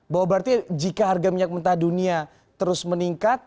bahwa berarti jika harga minyak mentah dunia terus meningkat